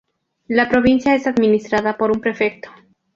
La provincia es administrada por un prefecto.